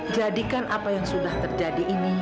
jadikan apa yang sudah terjadi ini